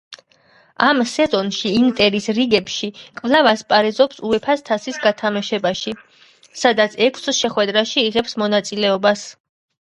ამ სეზონში „ინტერის“ რიგებში კვლავ ასპარეზობს უეფას თასის გათამაშებაში, სადაც ექვს შეხვედრაში იღებს მონაწილეობას.